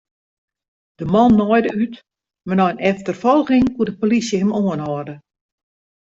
De man naaide út, mar nei in efterfolging koe de polysje him oanhâlde.